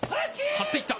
張っていった。